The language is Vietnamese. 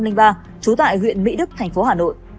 trú tại huyện mỹ đức thành phố hà nội